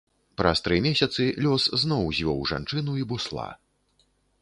Праз тры месяцы лёс зноў звёў жанчыну і бусла.